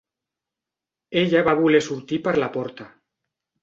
Ella va voler sortir per la porta.